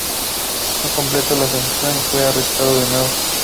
No completó la sanción y fue arrestado de nuevo.